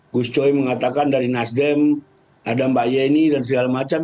gus coy mengatakan dari nasdem ada mbak yeni dan segala macam